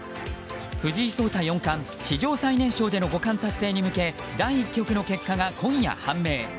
藤井聡太四冠、史上最年少での五冠達成に向け第１局の結果が今夜判明。